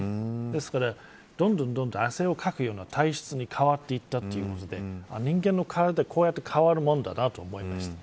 ですから、どんどんを汗をかくような体質に変わっていったということで人間の体ってこうやって変わるもんだなと思いました。